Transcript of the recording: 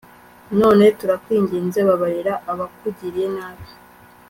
none turakwinginze babarira abakugiriye nabi